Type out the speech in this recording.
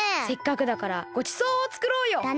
せっかくだからごちそうをつくろうよ！